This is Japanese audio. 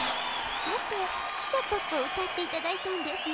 さて「汽車ポッポ」をうたっていただいたんですが。